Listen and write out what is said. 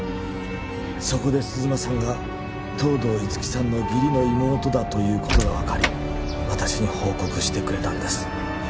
そこで鈴間さんが東堂樹生さんの義理の妹だということが分かり私に報告してくれたんです